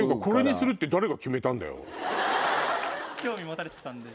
興味持たれてたんで。